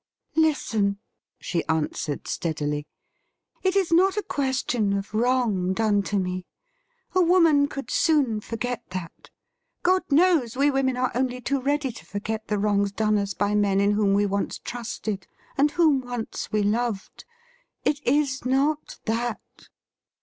' Listen,' she answered steadily ;' it is not a question of wrona done to me. A woman could soon forget that ! 214 THE RIDDLE RING God knows, we women axe only too ready to forget the wrongs done us by men in whom once we trusted and whom once we loved. It is not that.'